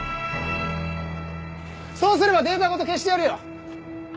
そうすればデータごと消してやるよ。